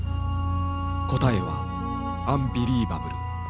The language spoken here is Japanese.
答えは「アンビリーバブル」。